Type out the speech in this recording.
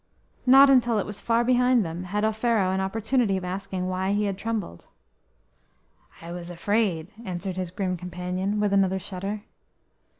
Not until it was far behind them had Offero an opportunity of asking why he had trembled. "I was afraid," answered his grim companion, with another shudder.